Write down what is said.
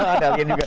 ada alien juga